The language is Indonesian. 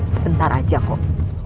sebentar aja kok